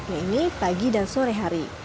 yaitu pagi dan sore hari